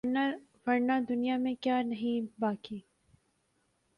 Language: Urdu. ورنہ دنیا میں کیا نہیں باقی